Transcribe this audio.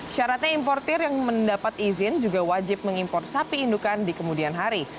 syaratnya importir yang mendapat izin juga wajib mengimpor sapi indukan di kemudian hari